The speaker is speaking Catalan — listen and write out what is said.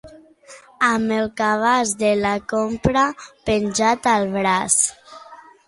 Amb el cabàs de la compra penjat al braç